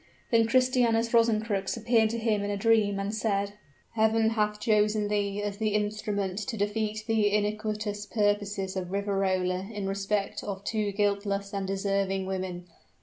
Then Christianus Rosencrux appeared to him in a dream and said: "Heaven hath chosen thee as the instrument to defeat the iniquitous purposes of Riverola in respect of two guiltless and deserving women.